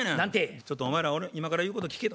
「ちょっとお前ら俺今から言うこと聞け」と。